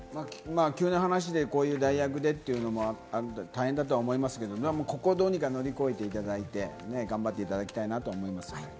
急な話でこういう代役でというのも大変だと思いますけれども、ここをどうにか乗り越えていただいて、頑張っていただきたいと思いますね。